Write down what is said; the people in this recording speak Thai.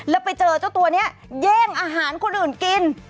แล้วไปเจอเจ้าตัวนี้แย่งอาหารคนอื่นกิน